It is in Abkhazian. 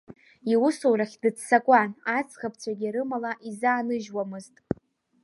Иусурахь дыццакуан, аӡӷабцәагьы рымала изааныжьуамызт.